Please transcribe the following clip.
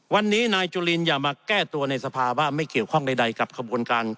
วันนี้นายจุลินอย่ามาแก้ตัวในสภาวะไม่เกี่ยวข้องใดกับขบวนการ